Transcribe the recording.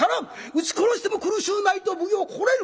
打ち殺しても苦しゅうないと奉行心得る。